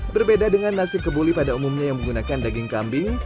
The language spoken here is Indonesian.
berbeda dengan nasi kebuli pada umumnya yang menggunakan daging kambing